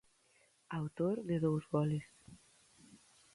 Autor de dous goles.